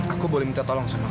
aku boleh minta tolong sama